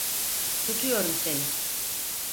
Tutuyorum seni.